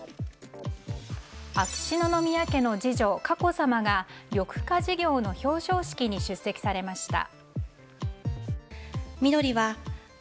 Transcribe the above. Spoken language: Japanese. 秋篠宮家の次女・佳子さまが緑化事業の表彰式に出席されました。